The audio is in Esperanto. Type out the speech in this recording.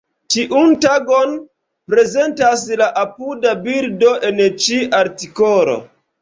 Tiun tagon prezentas la apuda bildo en ĉi artikolo.